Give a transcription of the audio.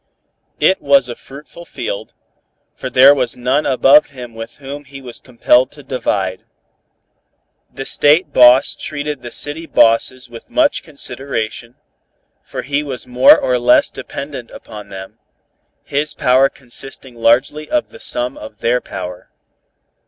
It was a fruitful field, for there was none above him with whom he was compelled to divide. The State boss treated the city bosses with much consideration, for he was more or less dependent upon them, his power consisting largely of the sum of their power.